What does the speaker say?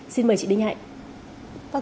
xin mời chị đinh hạnh